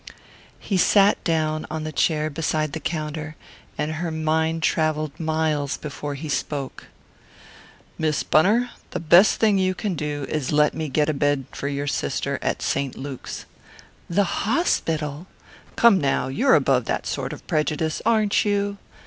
He sat down on the chair beside the counter, and her mind travelled miles before he spoke. "Miss Bunner, the best thing you can do is to let me get a bed for your sister at St. Luke's." "The hospital?" "Come now, you're above that sort of prejudice, aren't you?"